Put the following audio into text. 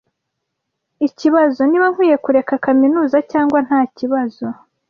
Ikibazo niba nkwiye kureka kaminuza cyangwa ntakibazo.